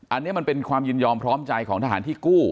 อันนี้มันเป็นความยินยอมพร้อมใจของทหารที่กู้